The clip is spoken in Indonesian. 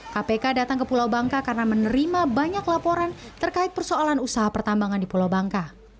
kpk datang ke pulau bangka karena menerima banyak laporan terkait persoalan usaha pertambangan di pulau bangka